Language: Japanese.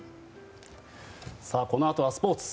このあとはスポーツ。